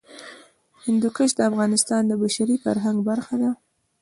هندوکش د افغانستان د بشري فرهنګ برخه ده.